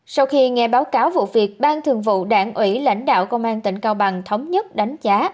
sau khi nghe báo cáo vụ việc ban thường vụ đảng ủy lãnh đạo công an tỉnh cao bằng thống nhất đánh giá